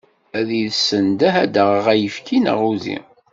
Ad iyi-tessendeh ad d-aɣeɣ ayefki neɣ udi.